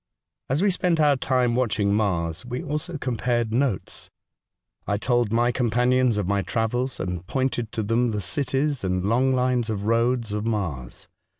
As we spent our time watching Mars, we also compared notes. I told my companions of my travels, and pointed to them the cities and long lines of roads of Mars.